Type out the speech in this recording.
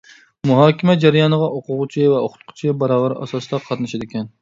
مۇھاكىمە جەريانىغا ئوقۇغۇچى ۋە ئوقۇتقۇچى باراۋەر ئاساستا قاتنىشىدىكەن.